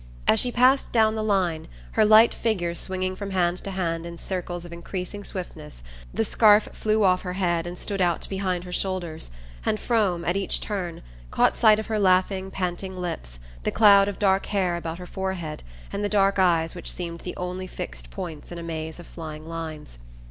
As she passed down the line, her light figure swinging from hand to hand in circles of increasing swiftness, the scarf flew off her head and stood out behind her shoulders, and Frome, at each turn, caught sight of her laughing panting lips, the cloud of dark hair about her forehead, and the dark eyes which seemed the only fixed points in a maze of flying lines.